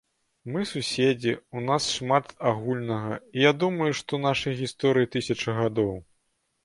Мы суседзі, у нас шмат агульнага, і я думаю, што нашай гісторыі тысяча гадоў.